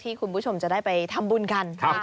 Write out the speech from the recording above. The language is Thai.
คุณผู้ชมจะได้ไปทำบุญกัน